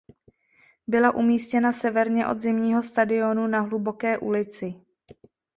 Byla umístěna severně od zimního stadionu na Hluboké ulici.